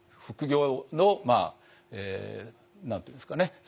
副業の何て言うんですかね